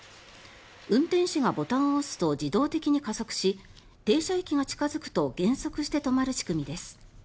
運転士がボタンを押すと自動的に加速し停車駅が近付くと減速して止まる仕組みです。